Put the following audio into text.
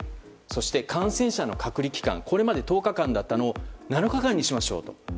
そして、感染者の隔離期間をこれまで１０日間だったのを７日間にしましょうと。